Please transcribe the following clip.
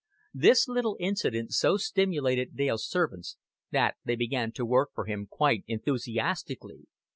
This little incident so stimulated Dale's servants that they began to work for him quite enthusiastically.